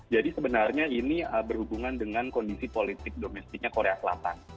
sebenarnya ini berhubungan dengan kondisi politik domestiknya korea selatan